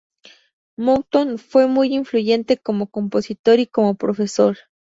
Mouton fue muy influyente como compositor y como profesor.